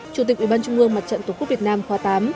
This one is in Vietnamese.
chủ tịch ủy ban trung ương mặt trận tổ quốc việt nam khóa tám